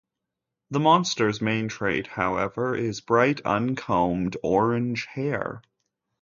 The monster's main trait, however, is bright uncombed orange hair.